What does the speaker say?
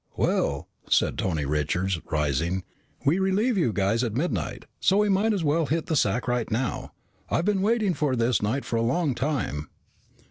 "Well," said Tony Richards, rising, "we relieve you guys at midnight, so we might as well hit the sack right now. I've been waiting for this night for a long time."